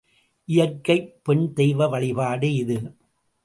இயற்கைப் பெண் தெய்வ வழிபாடு இது.